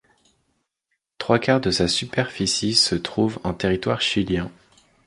Trois-quart de sa superficie se trouve en territoire chilien.